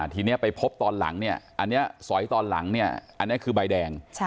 ทีนี้ไปพบตอนหลังเนี่ยอันนี้สอยตอนหลังเนี่ยอันนี้คือใบแดง